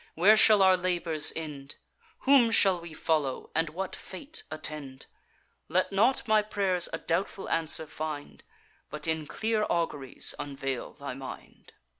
where shall our labours end? Whom shall we follow, and what fate attend? Let not my pray'rs a doubtful answer find; But in clear auguries unveil thy mind.